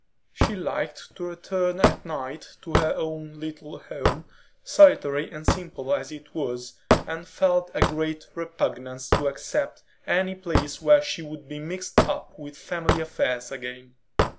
She liked to return at night to her own little home, solitary and simple as it was, and felt a great repugnance to accept any place where she would be mixed up with family affairs again.